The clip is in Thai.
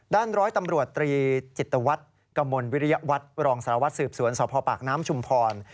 ด้านร้อยตำรวจตรีจิตวัตรกมลวิริยวัตรรองสารวัตรสืบสวนสพปากน้ำชุมพร